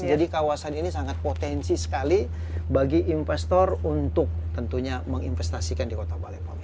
jadi kawasan ini sangat potensi sekali bagi investor untuk tentunya menginvestasikan di kota balikpapan